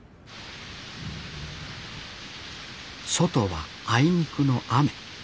外はあいにくの雨。